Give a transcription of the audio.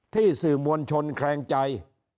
ที่สื่อมวลชนแคลงใจ